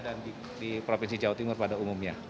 dan di provinsi jawa timur pada umumnya